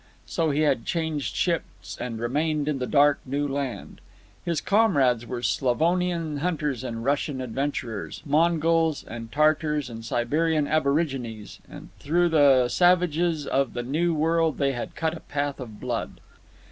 So he had changed ships and remained in the dark new land. His comrades were Slavonian hunters and Russian adventurers, Mongols and Tartars and Siberian aborigines; and through the savages of the new world they had cut a path of blood.